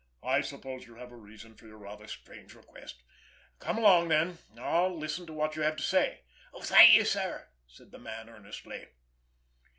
"I suppose you have a reason for your rather strange request. Come along, then, and I'll listen to what you have to say." "Thank you, sir," said the man earnestly.